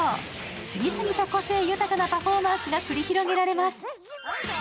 次々と個性豊かなパフォーマンスが繰り広げられます。